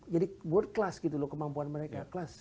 jadi world class gitu loh kemampuan mereka